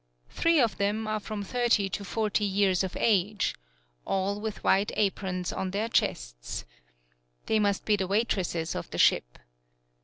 Three of them are from thirty to forty years of age; all with white aprons on their chests. They must be the waitresses of the ship.